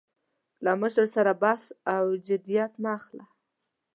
له مشر سره بحث او جدیت مه اخله.